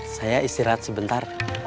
saya istirahat sebentar